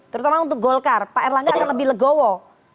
terutama untuk golkar pak erlangga akan lebih legowo